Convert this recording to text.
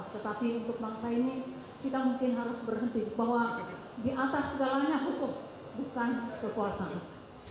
tetapi untuk bangsa ini kita mungkin harus berhenti bahwa di atas segalanya hukum bukan kekuasaan